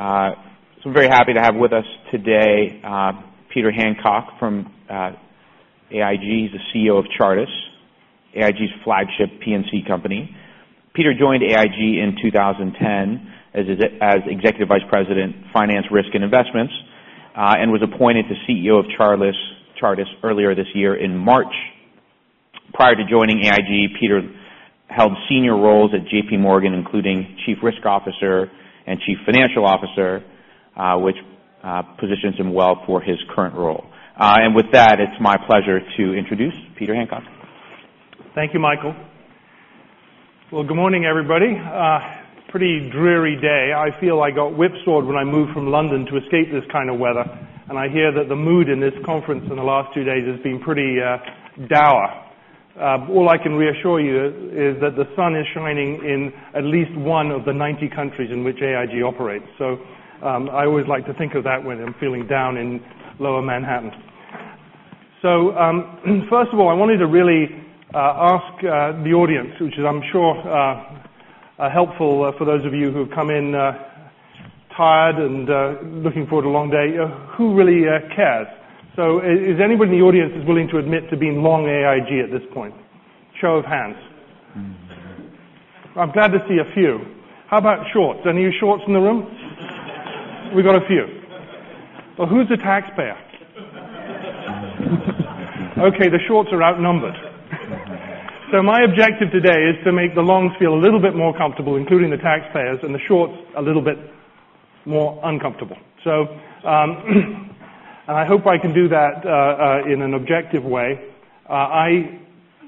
I am very happy to have with us today, Peter Hancock from AIG. He is the CEO of Chartis, AIG's flagship P&C company. Peter joined AIG in 2010 as Executive Vice President of Finance, Risk and Investments, and was appointed CEO of Chartis earlier this year in March. Prior to joining AIG, Peter held senior roles at JP Morgan, including Chief Risk Officer and Chief Financial Officer, which positions him well for his current role. With that, it is my pleasure to introduce Peter Hancock. Thank you, Michael. Good morning, everybody. Pretty dreary day. I feel I got whipsawed when I moved from London to escape this kind of weather. I hear that the mood in this conference in the last two days has been pretty dour. All I can reassure you is that the sun is shining in at least one of the 90 countries in which AIG operates. I always like to think of that when I am feeling down in Lower Manhattan. First of all, I wanted to really ask the audience, which is, I am sure, helpful for those of you who have come in tired and looking forward to a long day, who really cares? Is anybody in the audience willing to admit to being long AIG at this point? Show of hands. I am glad to see a few. How about shorts? Any shorts in the room? We have a few. Who is a taxpayer? Okay, the shorts are outnumbered. My objective today is to make the longs feel a little bit more comfortable, including the taxpayers, and the shorts a little bit more uncomfortable. I hope I can do that in an objective way. I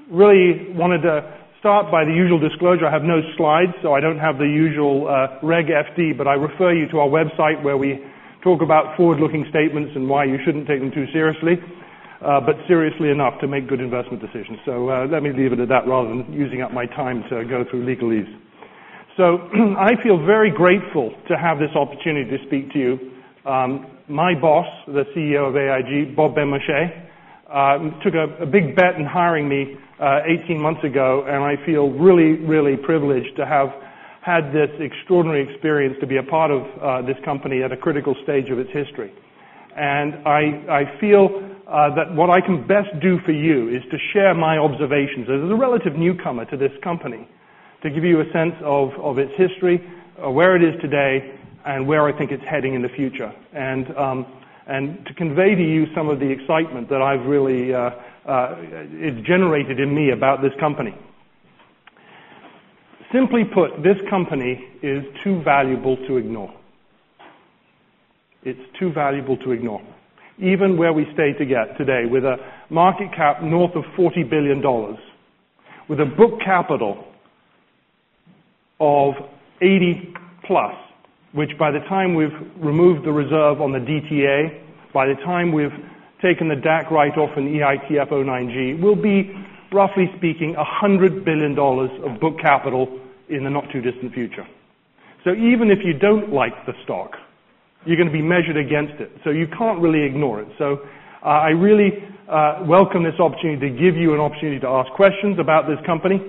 really wanted to start by the usual disclosure. I have no slides. I do not have the usual Reg FD. I refer you to our website where we talk about forward-looking statements and why you should not take them too seriously. Seriously enough to make good investment decisions. Let me leave it at that rather than using up my time to go through legalese. I feel very grateful to have this opportunity to speak to you. My boss, the CEO of AIG, Bob Benmosche, took a big bet in hiring me 18 months ago. I feel really, really privileged to have had this extraordinary experience to be a part of this company at a critical stage of its history. I feel that what I can best do for you is to share my observations as a relative newcomer to this company. To give you a sense of its history, where it is today, and where I think it is heading in the future. To convey to you some of the excitement that is generated in me about this company. Simply put, this company is too valuable to ignore. It is too valuable to ignore. Even where we stay today with a market cap north of $40 billion, with a book capital of $80 billion plus, which by the time we've removed the reserve on the DTA, by the time we've taken the DAC write-off on EITF 09-G, we'll be, roughly speaking, $100 billion of book capital in the not-too-distant future. Even if you don't like the stock, you're going to be measured against it. You can't really ignore it. I really welcome this opportunity to give you an opportunity to ask questions about this company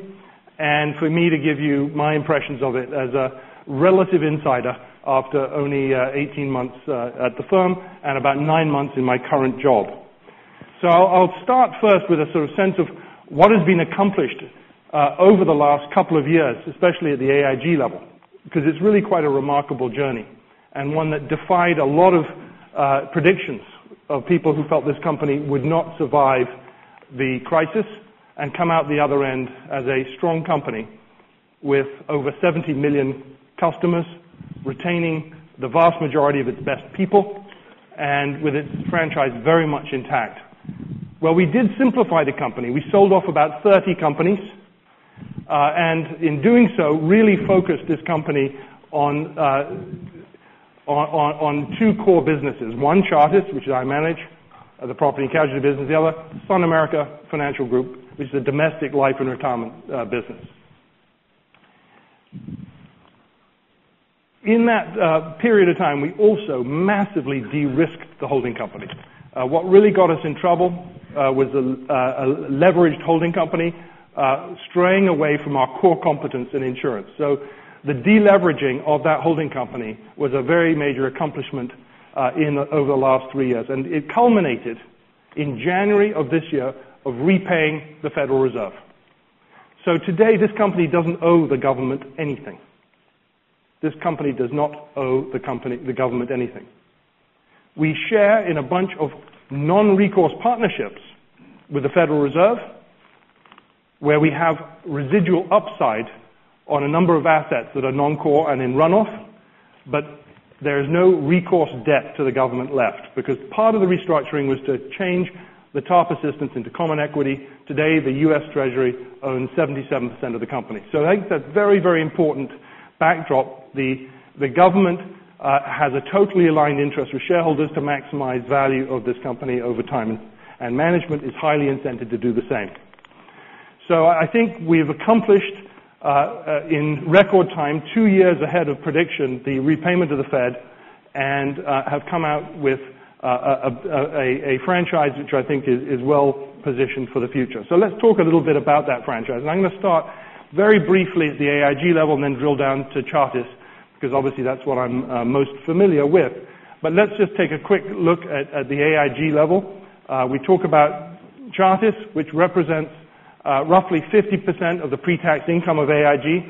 and for me to give you my impressions of it as a relative insider after only 18 months at the firm and about nine months in my current job. I'll start first with a sort of sense of what has been accomplished over the last couple of years, especially at the AIG level. It's really quite a remarkable journey, and one that defied a lot of predictions of people who felt this company would not survive the crisis and come out the other end as a strong company with over 70 million customers, retaining the vast majority of its best people, and with its franchise very much intact. Well, we did simplify the company. We sold off about 30 companies. In doing so, really focused this company on two core businesses. One, Chartis, which I manage, the property and casualty business. The other, SunAmerica Financial Group, which is a domestic life and retirement business. In that period of time, we also massively de-risked the holding company. What really got us in trouble was a leveraged holding company straying away from our core competence in insurance. The de-leveraging of that holding company was a very major accomplishment over the last three years. It culminated in January of this year of repaying the Federal Reserve. Today, this company doesn't owe the government anything. This company does not owe the government anything. We share in a bunch of non-recourse partnerships with the Federal Reserve, where we have residual upside on a number of assets that are non-core and in runoff, but there is no recourse debt to the government left because part of the restructuring was to change the top assistance into common equity. Today, the U.S. Treasury owns 77% of the company. I think that's a very, very important backdrop. The government has a totally aligned interest with shareholders to maximize value of this company over time, and management is highly incented to do the same. I think we've accomplished in record time, two years ahead of prediction, the repayment of the Fed. Have come out with a franchise which I think is well-positioned for the future. Let's talk a little bit about that franchise. I'm going to start very briefly at the AIG level and then drill down to Chartis, because obviously that's what I'm most familiar with. Let's just take a quick look at the AIG level. We talk about Chartis, which represents roughly 50% of the pre-tax income of AIG,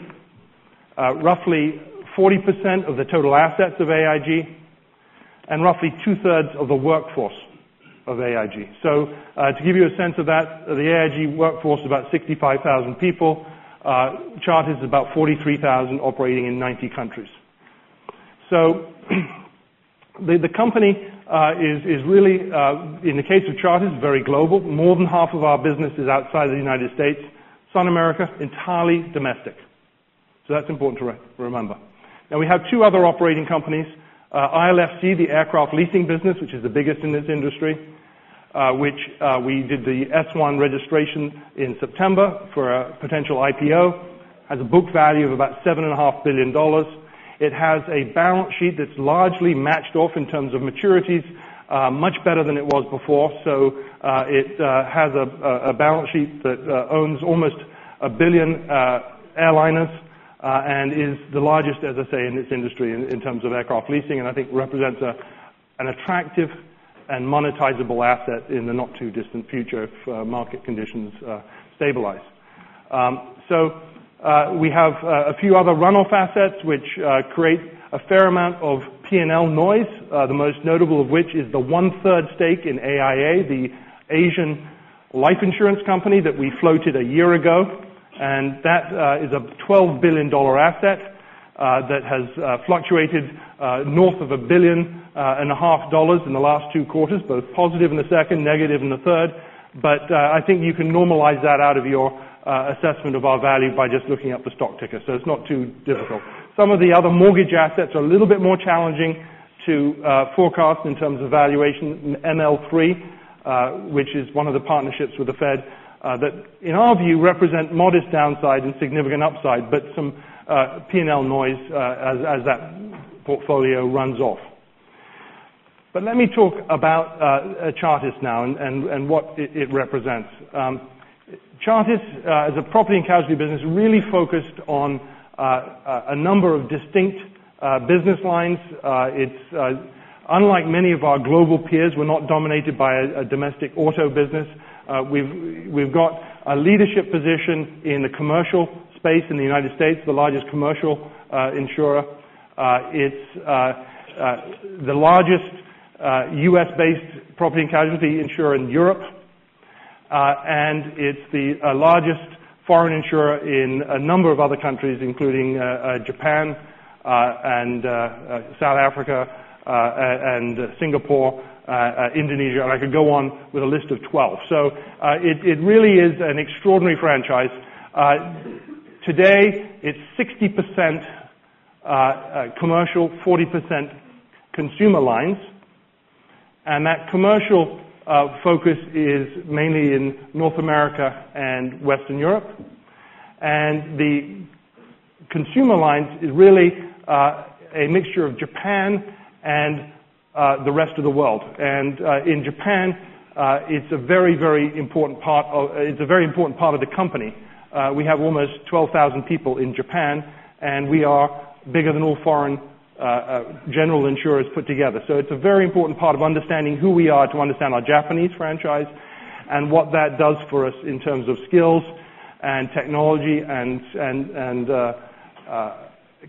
roughly 40% of the total assets of AIG, and roughly two-thirds of the workforce of AIG. To give you a sense of that, the AIG workforce is about 65,000 people. Chartis is about 43,000 operating in 90 countries. The company is really, in the case of Chartis, very global. More than half of our business is outside of the U.S. SunAmerica, entirely domestic. That's important to remember. We have two other operating companies. ILFC, the aircraft leasing business, which is the biggest in this industry, which we did the S-1 registration in September for a potential IPO, has a book value of about $7.5 billion. It has a balance sheet that's largely matched off in terms of maturities, much better than it was before. It has a balance sheet that owns almost a billion airliners and is the largest, as I say, in its industry in terms of aircraft leasing, and I think represents an attractive and monetizable asset in the not-too-distant future if market conditions stabilize. We have a few other run-off assets which create a fair amount of P&L noise. The most notable of which is the one-third stake in AIA, the Asian life insurance company that we floated a year ago. That is a $12 billion asset that has fluctuated north of $1.5 billion in the last two quarters, both positive in the second, negative in the third. I think you can normalize that out of your assessment of our value by just looking up the stock ticker. It's not too difficult. Some of the other mortgage assets are a little bit more challenging to forecast in terms of valuation. ML3, which is one of the partnerships with the Fed that, in our view, represent modest downside and significant upside, but some P&L noise as that portfolio runs off. Let me talk about Chartis now and what it represents. Chartis is a property and casualty business really focused on a number of distinct business lines. Unlike many of our global peers, we're not dominated by a domestic auto business. We've got a leadership position in the commercial space in the U.S., the largest commercial insurer. It's the largest U.S.-based property and casualty insurer in Europe. It's the largest foreign insurer in a number of other countries, including Japan and South Africa and Singapore, Indonesia, and I could go on with a list of 12. It really is an extraordinary franchise. Today, it's 60% commercial, 40% consumer lines. That commercial focus is mainly in North America and Western Europe. The consumer lines is really a mixture of Japan and the rest of the world. In Japan, it's a very important part of the company. We have almost 12,000 people in Japan, and we are bigger than all foreign general insurers put together. It's a very important part of understanding who we are to understand our Japanese franchise and what that does for us in terms of skills and technology and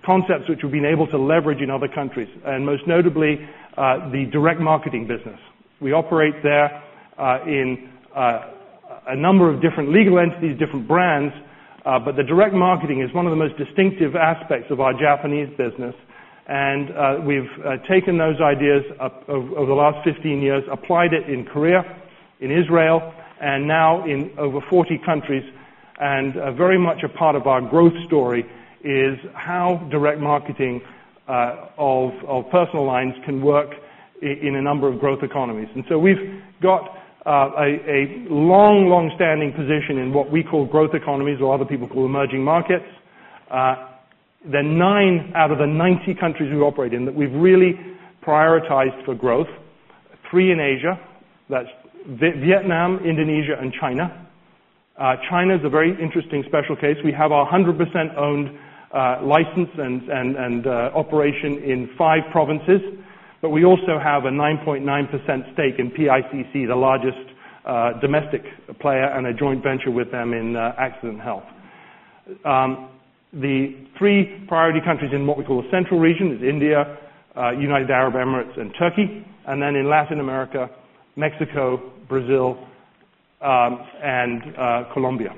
concepts which we've been able to leverage in other countries. Most notably, the direct marketing business. We operate there in a number of different legal entities, different brands. The direct marketing is one of the most distinctive aspects of our Japanese business. We've taken those ideas over the last 15 years, applied it in Korea, in Israel, and now in over 40 countries. Very much a part of our growth story is how direct marketing of personal lines can work in a number of growth economies. We've got a long standing position in what we call growth economies, or a lot of people call emerging markets. The nine out of the 90 countries we operate in that we've really prioritized for growth. Three in Asia. That's Vietnam, Indonesia, and China. China's a very interesting special case. We have our 100% owned license and operation in five provinces, but we also have a 9.9% stake in PICC, the largest domestic player and a joint venture with them in accident and health. The three priority countries in what we call the central region is India, United Arab Emirates, and Turkey, then in Latin America, Mexico, Brazil, and Colombia.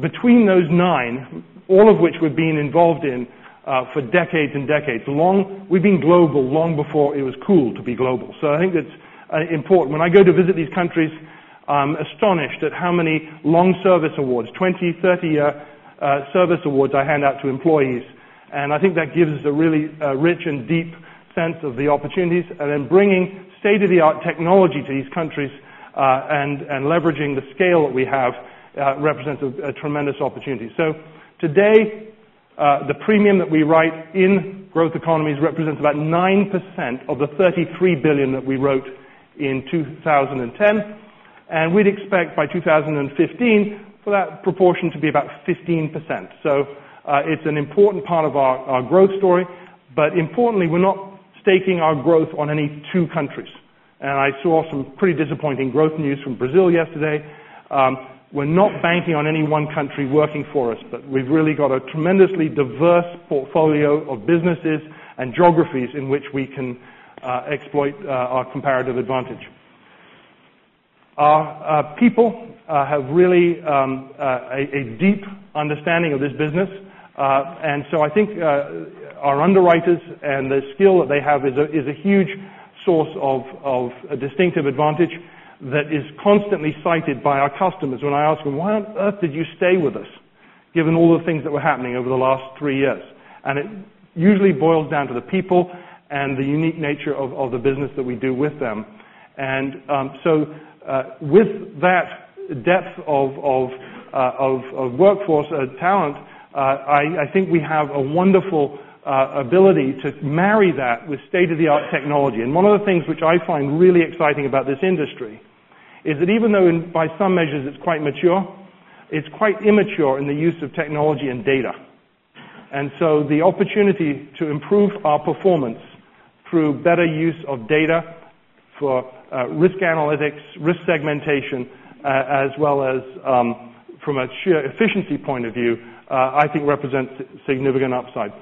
Between those nine, all of which we've been involved in for decades and decades. We've been global long before it was cool to be global. I think that's important. When I go to visit these countries, I'm astonished at how many long service awards, 20, 30-year service awards I hand out to employees. I think that gives us a really rich and deep sense of the opportunities. Bringing state-of-the-art technology to these countries, leveraging the scale that we have represents a tremendous opportunity. Today The premium that we write in growth economies represents about 9% of the $33 billion that we wrote in 2010. We'd expect by 2015 for that proportion to be about 15%. It's an important part of our growth story. Importantly, we're not staking our growth on any two countries. I saw some pretty disappointing growth news from Brazil yesterday. We're not banking on any one country working for us, but we've really got a tremendously diverse portfolio of businesses and geographies in which we can exploit our comparative advantage. Our people have really a deep understanding of this business. I think our underwriters and the skill that they have is a huge source of distinctive advantage that is constantly cited by our customers when I ask them, "Why on earth did you stay with us given all the things that were happening over the last three years?" It usually boils down to the people and the unique nature of the business that we do with them. With that depth of workforce talent, I think we have a wonderful ability to marry that with state-of-the-art technology. One of the things which I find really exciting about this industry is that even though by some measures it's quite mature, it's quite immature in the use of technology and data. The opportunity to improve our performance through better use of data for risk analytics, risk segmentation, as well as from a sheer efficiency point of view, I think represents significant upside.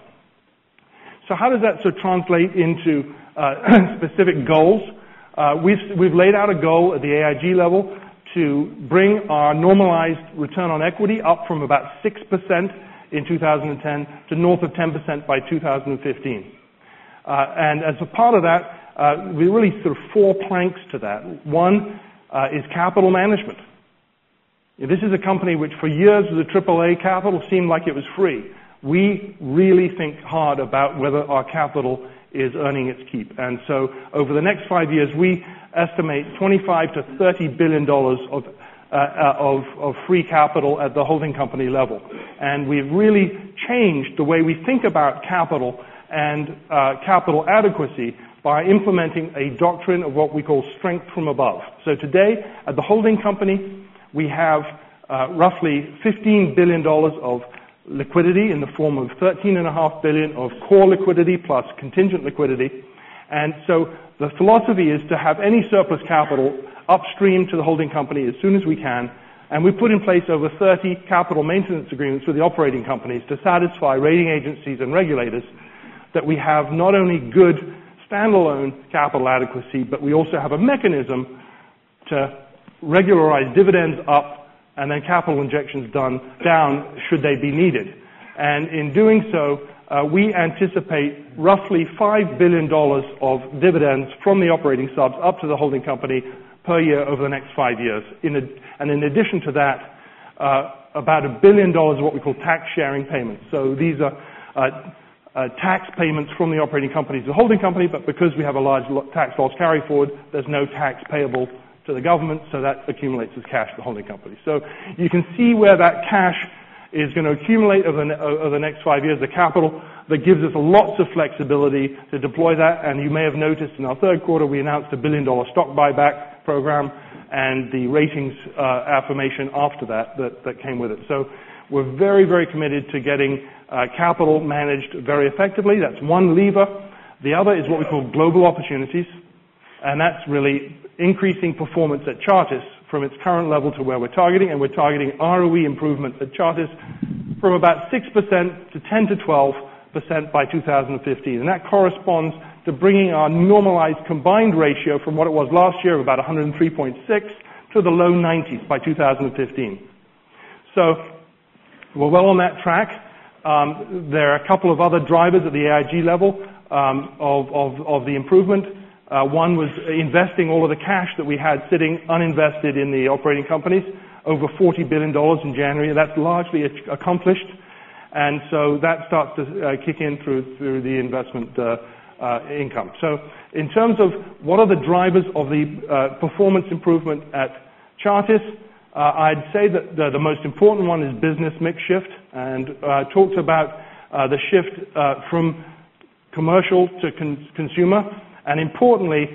How does that translate into specific goals? We've laid out a goal at the AIG level to bring our normalized return on equity up from about 6% in 2010 to north of 10% by 2015. As a part of that, we really sort of four planks to that. One is capital management. This is a company which for years with AAA capital, seemed like it was free. We really think hard about whether our capital is earning its keep. Over the next 5 years, we estimate $25 billion to $30 billion of free capital at the holding company level. We've really changed the way we think about capital and capital adequacy by implementing a doctrine of what we call Strength from Above. Today at the holding company, we have roughly $15 billion of liquidity in the form of $13.5 billion of core liquidity plus contingent liquidity. The philosophy is to have any surplus capital upstream to the holding company as soon as we can. We've put in place over 30 capital maintenance agreements with the operating companies to satisfy rating agencies and regulators that we have not only good standalone capital adequacy, but we also have a mechanism to regularize dividends up and then capital injections done down should they be needed. In doing so, we anticipate roughly $5 billion of dividends from the operating subs up to the holding company per year over the next five years. In addition to that, about $1 billion of what we call tax sharing payments. These are tax payments from the operating companies to the holding company. Because we have a large tax loss carry forward, there's no tax payable to the government, that accumulates as cash to holding company. You can see where that cash is going to accumulate over the next five years, the capital that gives us lots of flexibility to deploy that. You may have noticed in our third quarter, we announced a $1 billion stock buyback program and the ratings affirmation after that that came with it. We're very committed to getting capital managed very effectively. That's one lever. The other is what we call global opportunities. That's really increasing performance at Chartis from its current level to where we're targeting. We're targeting ROE improvement at Chartis from about 6% to 10%-12% by 2015. That corresponds to bringing our normalized combined ratio from what it was last year of about 103.6 to the low 90s by 2015. We're well on that track. There are a couple of other drivers at the AIG level of the improvement. One was investing all of the cash that we had sitting uninvested in the operating companies. Over $40 billion in January. That's largely accomplished, that starts to kick in through the investment income. In terms of what are the drivers of the performance improvement at Chartis? I'd say that the most important one is business mix shift. I talked about the shift from commercial to consumer. Importantly,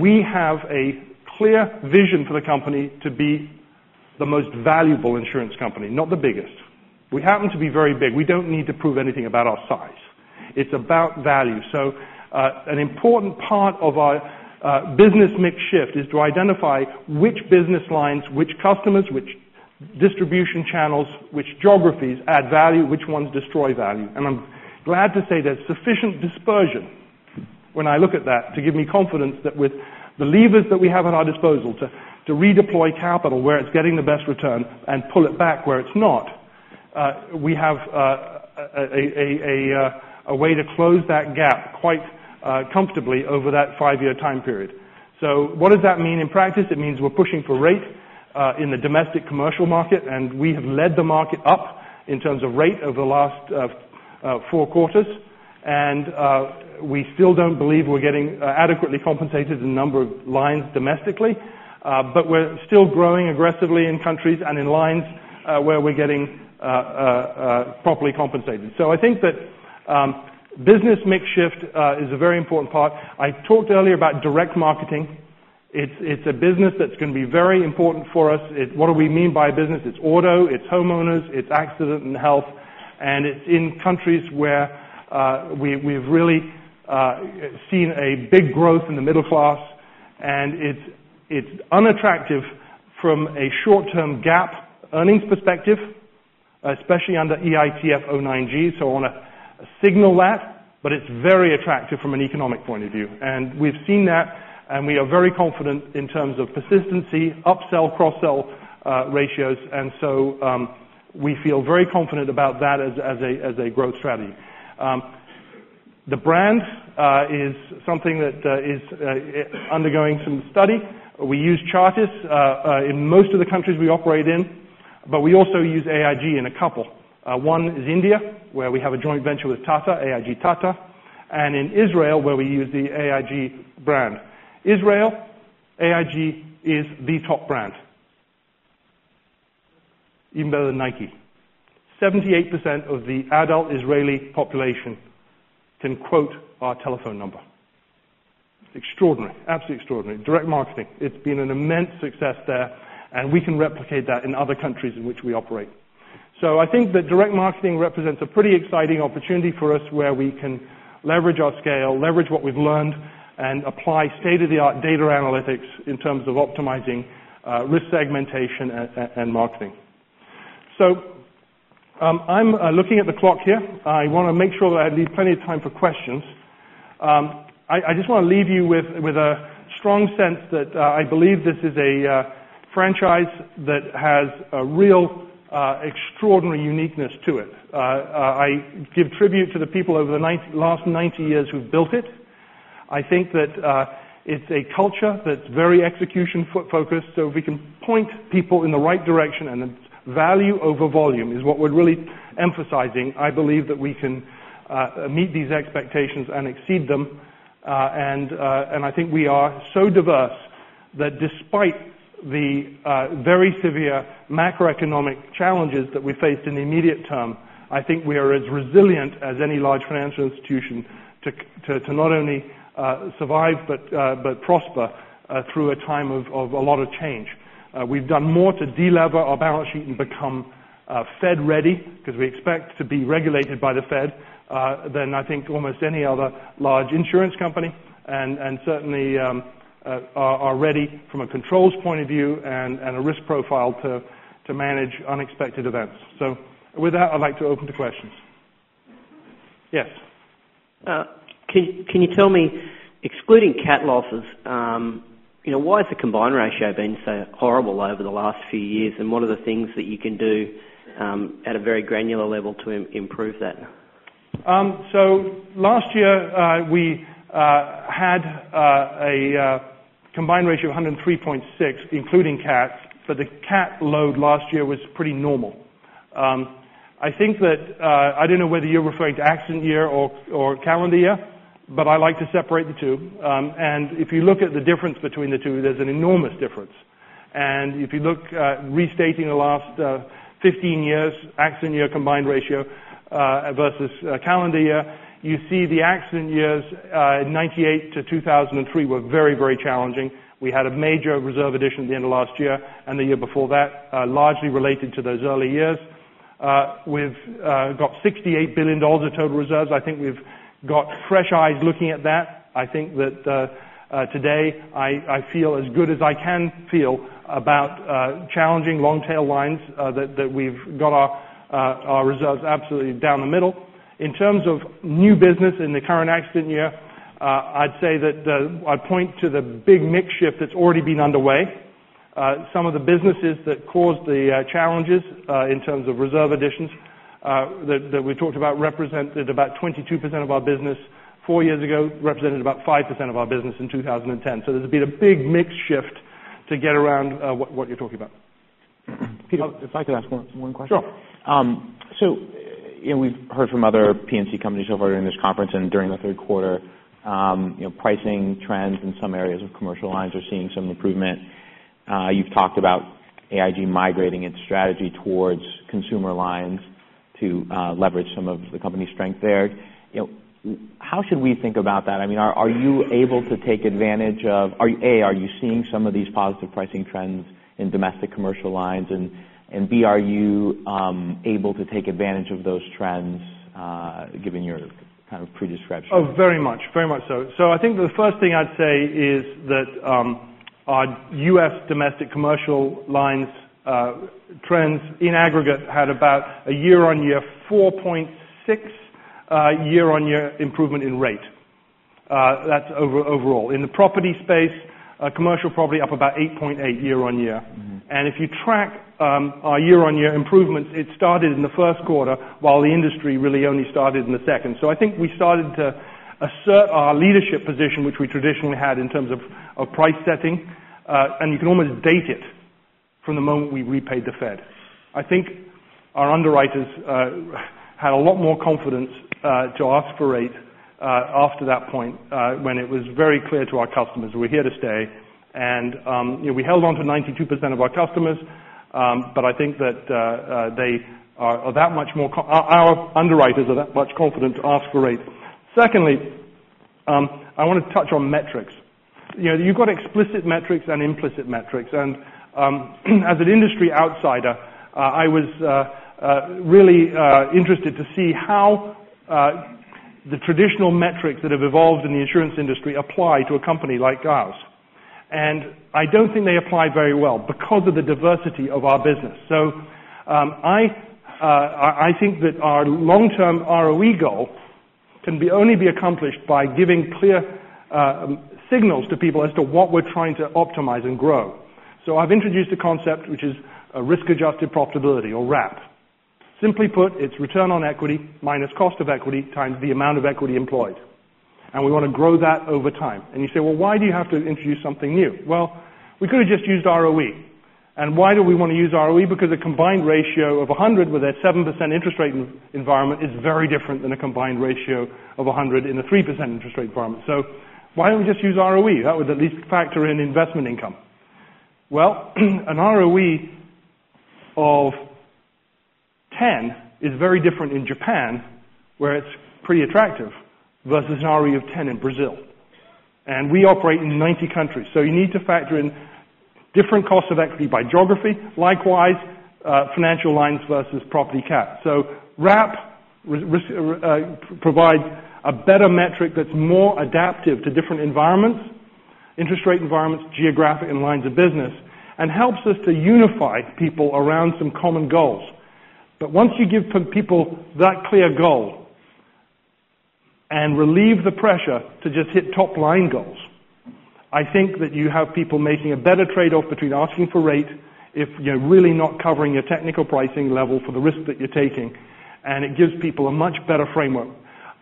we have a clear vision for the company to be the most valuable insurance company, not the biggest. We happen to be very big. We don't need to prove anything about our size. It's about value. An important part of our business mix shift is to identify which business lines, which customers, which distribution channels, which geographies add value, which ones destroy value. I'm glad to say there's sufficient dispersion when I look at that to give me confidence that with the levers that we have at our disposal to redeploy capital where it's getting the best return and pull it back where it's not. We have a way to close that gap quite comfortably over that five-year time period. What does that mean in practice? It means we're pushing for rate in the domestic commercial market, and we have led the market up in terms of rate over the last four quarters. We still don't believe we're getting adequately compensated in a number of lines domestically, but we're still growing aggressively in countries and in lines where we're getting properly compensated. I think that business mix shift is a very important part. I talked earlier about direct marketing. It's a business that's going to be very important for us. What do we mean by business? It's auto, it's homeowners, it's accident and health, and it's in countries where we've really seen a big growth in the middle class, and it's unattractive from a short-term GAAP earnings perspective, especially under EITF 09-G. I want to signal that, but it's very attractive from an economic point of view. We've seen that, and we are very confident in terms of persistency, upsell, cross-sell ratios. We feel very confident about that as a growth strategy. The brand is something that is undergoing some study. We use Chartis in most of the countries we operate in, but we also use AIG in a couple. One is India, where we have a joint venture with Tata AIG, and in Israel, where we use the AIG brand. Israel, AIG is the top brand. Even better than Nike. 78% of the adult Israeli population can quote our telephone number. Extraordinary. Absolutely extraordinary. Direct marketing. It's been an immense success there, and we can replicate that in other countries in which we operate. I think that direct marketing represents a pretty exciting opportunity for us where we can leverage our scale, leverage what we've learned, and apply state-of-the-art data analytics in terms of optimizing risk segmentation and marketing. I'm looking at the clock here. I want to make sure that I leave plenty of time for questions. I just want to leave you with a strong sense that I believe this is a franchise that has a real extraordinary uniqueness to it. I give tribute to the people over the last 90 years who've built it. I think that it's a culture that's very execution focused, so if we can point people in the right direction, and it's value over volume is what we're really emphasizing. I believe that we can meet these expectations and exceed them. I think we are so diverse that despite the very severe macroeconomic challenges that we faced in the immediate term, I think we are as resilient as any large financial institution to not only survive but prosper through a time of a lot of change. We've done more to de-lever our balance sheet and become Fed ready because we expect to be regulated by the Fed than I think almost any other large insurance company and certainly are ready from a controls point of view and a risk profile to manage unexpected events. With that, I'd like to open to questions. Yes. Can you tell me, excluding cat losses, why has the combined ratio been so horrible over the last few years, and what are the things that you can do at a very granular level to improve that? Last year, we had a combined ratio of 103.6, including cats, but the cat load last year was pretty normal. I don't know whether you're referring to accident year or calendar year, but I like to separate the two. If you look at the difference between the two, there's an enormous difference. If you look at restating the last 15 years' accident year combined ratio versus calendar year, you see the accident years 1998-2003 were very challenging. We had a major reserve addition at the end of last year and the year before that, largely related to those early years. We've got $68 billion of total reserves. I think we've got fresh eyes looking at that. I think that today I feel as good as I can feel about challenging long tail lines that we've got our reserves absolutely down the middle. In terms of new business in the current accident year, I'd say that I'd point to the big mix shift that's already been underway. Some of the businesses that caused the challenges in terms of reserve additions that we talked about represented about 22% of our business four years ago, represented about 5% of our business in 2010. There's been a big mix shift to get around what you're talking about. Peter, if I could ask one question. Sure. We've heard from other P&C companies so far during this conference and during the third quarter. Pricing trends in some areas of commercial lines are seeing some improvement. You've talked about AIG migrating its strategy towards consumer lines to leverage some of the company's strength there. How should we think about that? Are you able to take advantage of A, are you seeing some of these positive pricing trends in domestic commercial lines? B, are you able to take advantage of those trends given your kind of pre-description? Very much. Very much so. I think the first thing I'd say is that our U.S. domestic commercial lines trends in aggregate had about a year-on-year 4.6 year-on-year improvement in rate. That's overall. In the property space, commercial property up about 8.8 year-on-year. If you track our year-on-year improvements, it started in the first quarter while the industry really only started in the second. I think we started to assert our leadership position, which we traditionally had in terms of price setting. You can almost date it from the moment we repaid the Fed. I think our underwriters had a lot more confidence to ask for rate after that point, when it was very clear to our customers we're here to stay. We held on to 92% of our customers, but I think that our underwriters are that much confident to ask for rate. Secondly, I want to touch on metrics. You've got explicit metrics and implicit metrics. As an industry outsider, I was really interested to see how the traditional metrics that have evolved in the insurance industry apply to a company like Chartis. I don't think they apply very well because of the diversity of our business. I think that our long-term ROE goal can only be accomplished by giving clear signals to people as to what we're trying to optimize and grow. I've introduced a concept which is a risk-adjusted profitability or RAP. Simply put, it's return on equity minus cost of equity times the amount of equity employed. We want to grow that over time. You say, "Well, why do you have to introduce something new?" Well, we could have just used ROE. Why do we want to use ROE? Because a combined ratio of 100 with a 7% interest rate environment is very different than a combined ratio of 100 in a 3% interest rate environment. Why don't we just use ROE? That would at least factor in investment income. An ROE of 10 is very different in Japan, where it's pretty attractive versus an ROE of 10 in Brazil. We operate in 90 countries. You need to factor in different cost of equity by geography, likewise, financial lines versus property cat. RAP provides a better metric that's more adaptive to different environments, interest rate environments, geographic, and lines of business, and helps us to unify people around some common goals. Once you give people that clear goal and relieve the pressure to just hit top-line goals, I think that you have people making a better trade-off between asking for rate if you're really not covering a technical pricing level for the risk that you're taking, and it gives people a much better framework.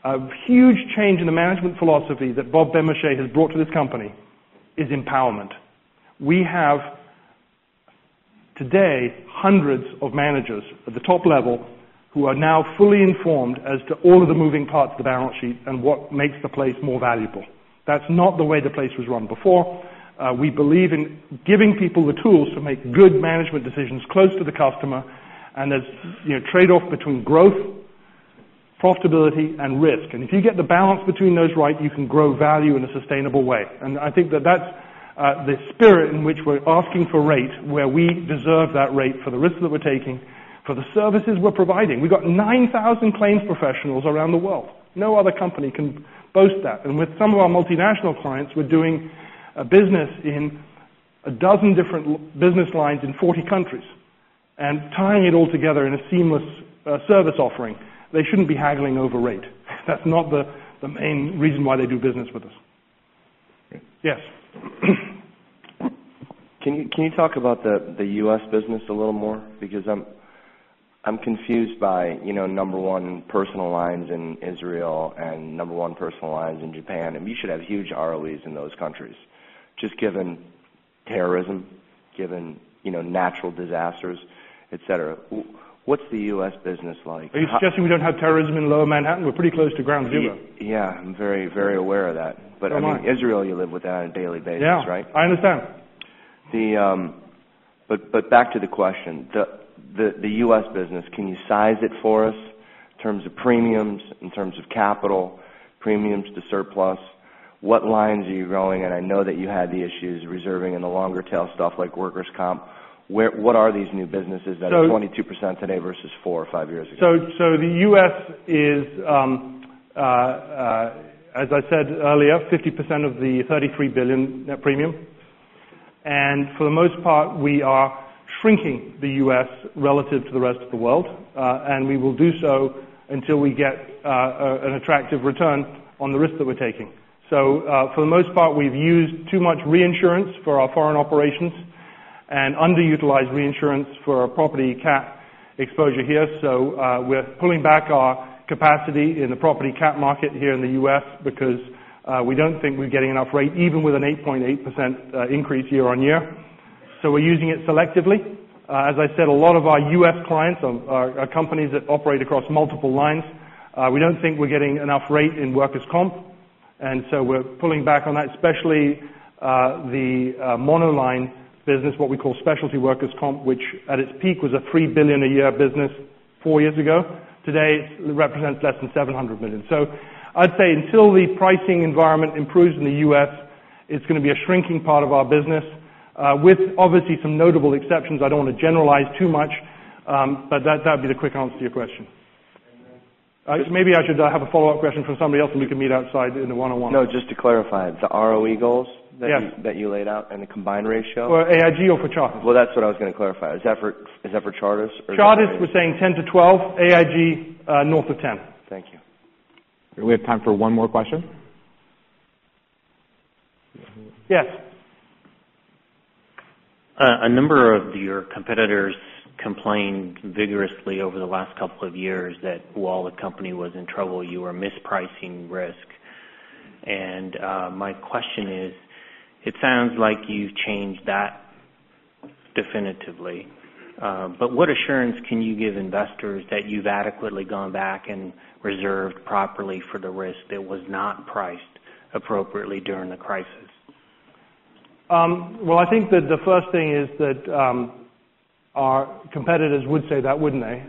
A huge change in the management philosophy that Robert Benmosche has brought to this company is empowerment. We have today hundreds of managers at the top level who are now fully informed as to all of the moving parts of the balance sheet and what makes the place more valuable. That's not the way the place was run before. We believe in giving people the tools to make good management decisions close to the customer, there's trade-off between growth, profitability, and risk. If you get the balance between those right, you can grow value in a sustainable way. I think that that's the spirit in which we're asking for rate, where we deserve that rate for the risks that we're taking, for the services we're providing. We've got 9,000 claims professionals around the world. No other company can boast that. With some of our multinational clients, we're doing a business in a dozen different business lines in 40 countries, tying it all together in a seamless service offering. They shouldn't be haggling over rate. That's not the main reason why they do business with us. Yes. Can you talk about the U.S. business a little more? Because I'm confused by number one personal lines in Israel and number one personal lines in Japan. You should have huge ROEs in those countries. Just given terrorism, given natural disasters, et cetera. What's the U.S. business like? Are you suggesting we don't have terrorism in Lower Manhattan? We're pretty close to ground zero. Yeah, I'm very aware of that. Come on. In Israel, you live with that on a daily basis, right? Yeah. I understand. Back to the question. The U.S. business, can you size it for us in terms of premiums, in terms of capital premiums to surplus? What lines are you growing? I know that you had the issues reserving in the longer tail stuff like workers' comp. What are these new businesses that are 22% today versus four or five years ago? The U.S. is, as I said earlier, 50% of the $33 billion net premium. For the most part, we are shrinking the U.S. relative to the rest of the world. We will do so until we get an attractive return on the risk that we're taking. For the most part, we've used too much reinsurance for our foreign operations and underutilized reinsurance for our property cat exposure here. We're pulling back our capacity in the property cat market here in the U.S. because we don't think we're getting enough rate, even with an 8.8% increase year-over-year. We're using it selectively. As I said, a lot of our U.S. clients are companies that operate across multiple lines. We don't think we're getting enough rate in workers' comp, we're pulling back on that, especially the monoline business, what we call specialty workers' comp, which at its peak was a $3 billion a year business four years ago. Today, it represents less than $700 million. I'd say until the pricing environment improves in the U.S., it's going to be a shrinking part of our business with obviously some notable exceptions. I don't want to generalize too much. That'd be the quick answer to your question. Maybe I should have a follow-up question from somebody else, and we can meet outside in a one-on-one. No, just to clarify, the ROE goals that you laid out and the combined ratio. For AIG or for Chartis? Well, that's what I was going to clarify. Is that for Chartis or AIG? Chartis, we're saying 10%-12%. AIG, north of 10%. Thank you. We have time for one more question. Yes. A number of your competitors complained vigorously over the last couple of years that while the company was in trouble, you were mispricing risk. My question is, it sounds like you've changed that definitively. What assurance can you give investors that you've adequately gone back and reserved properly for the risk that was not priced appropriately during the crisis? Well, I think that the first thing is that our competitors would say that, wouldn't they?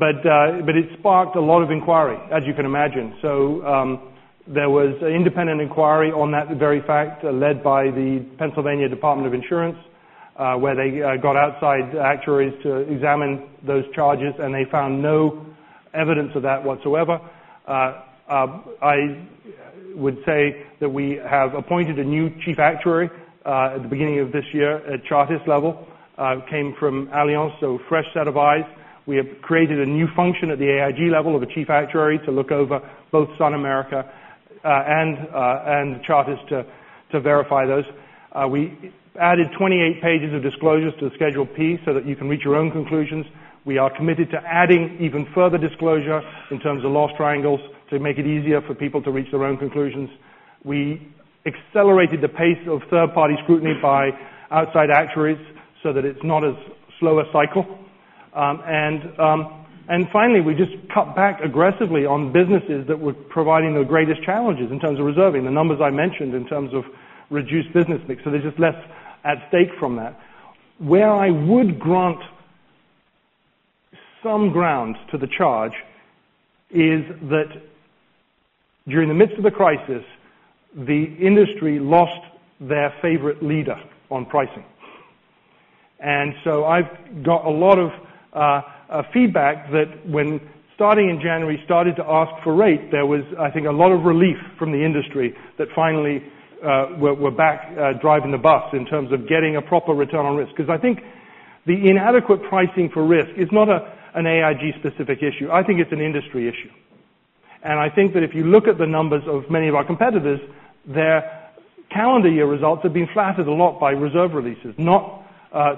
It sparked a lot of inquiry, as you can imagine. There was an independent inquiry on that very fact, led by the Pennsylvania Insurance Department, where they got outside actuaries to examine those charges, and they found no evidence of that whatsoever. I would say that we have appointed a new chief actuary at the beginning of this year at Chartis level, came from Allianz, so fresh set of eyes. We have created a new function at the AIG level of a chief actuary to look over both SunAmerica and Chartis to verify those. We added 28 pages of disclosures to Schedule P so that you can reach your own conclusions. We are committed to adding even further disclosure in terms of loss triangles to make it easier for people to reach their own conclusions. We accelerated the pace of third-party scrutiny by outside actuaries so that it's not as slow a cycle. Finally, we just cut back aggressively on businesses that were providing the greatest challenges in terms of reserving. The numbers I mentioned in terms of reduced business mix. There's just less at stake from that. Where I would grant some grounds to the charge is that during the midst of the crisis, the industry lost their favorite leader on pricing. I've got a lot of feedback that when starting in January, started to ask for rate, there was, I think, a lot of relief from the industry that finally we're back driving the bus in terms of getting a proper return on risk. I think the inadequate pricing for risk is not an AIG specific issue. I think it's an industry issue. I think that if you look at the numbers of many of our competitors, their calendar year results have been flattered a lot by reserve releases, not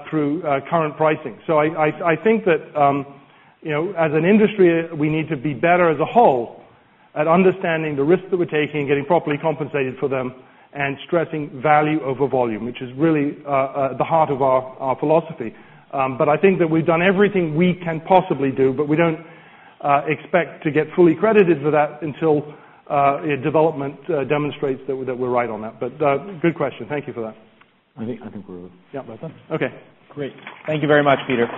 through current pricing. I think that as an industry, we need to be better as a whole at understanding the risks that we're taking and getting properly compensated for them, and stressing value over volume, which is really at the heart of our philosophy. I think that we've done everything we can possibly do, but we don't expect to get fully credited for that until development demonstrates that we're right on that. Good question. Thank you for that. I think we're done. Yeah, we're done. Okay. Great. Thank you very much, Peter.